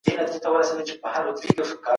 دا د ژوند طبیعي دوران دی.